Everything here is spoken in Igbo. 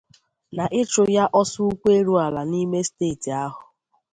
na ịchụ ya ọsọ ụkwụ erughị ala n'ime steeti ahụ.